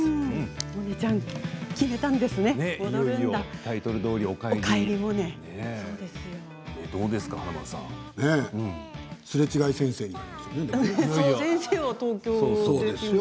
モネちゃん決めたんですね。